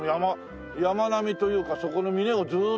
山並みというかそこの峰をずっと走ってたわけ？